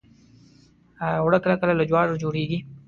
اوړه کله کله له جوارو جوړیږي